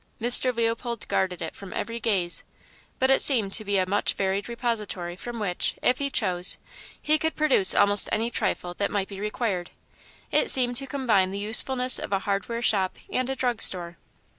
Mr. Leopold guarded it from every gaze, but it seemed to be a much varied repository from which, if he chose, he could produce almost any trifle that might be required. It seemed to combine the usefulness of a hardware shop and a drug store.